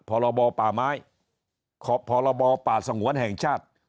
พรบป่าไม้ขอพรบป่าสงวนแห่งชาติ